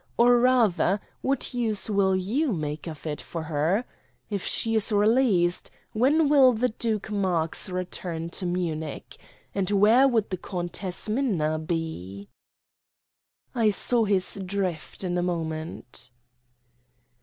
Or rather, what use will you make of it for her? If she is released, when will the Duke Marx return to Munich? And where would the Countess Minna be?" I saw his drift in a moment.